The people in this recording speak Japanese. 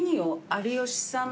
有吉さん